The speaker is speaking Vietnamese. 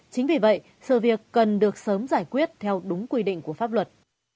chính vì vậy sự việc cần được sớm giải quyết theo đúng quy định của pháp luật